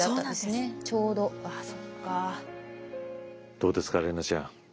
どうですか怜奈ちゃん。